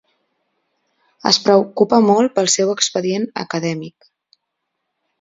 Es preocupa molt pel seu expedient acadèmic.